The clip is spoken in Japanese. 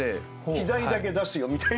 「季題だけ出すよ」みたいな。